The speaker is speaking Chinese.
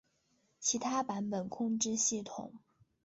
其他版本控制系统